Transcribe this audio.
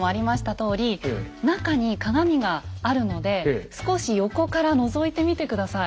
とおり中に鏡があるので少し横からのぞいてみて下さい。